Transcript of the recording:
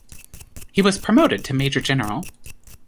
He was promoted to major-general.